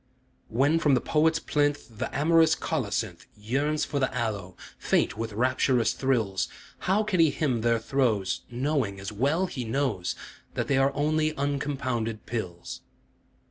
When from the poet's plinth The amorous colocynth Yearns for the aloe, faint with rapturous thrills, How can he hymn their throes Knowing, as well he knows, That they are only uncompounded pills?